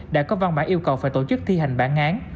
đã có văn bản yêu cầu phải tổ chức thi hành bản án